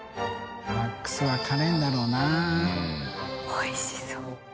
おいしそう。